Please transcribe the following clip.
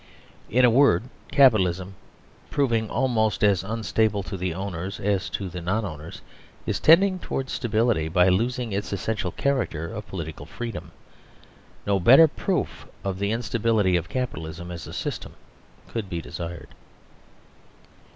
* In a word, Capitalism, proving almost as unstable to the owners as to the non owners, is tending towards stability by losing its essential cha racter of political freedom. No better proof of the in stability of Capitalism as a system could be desired.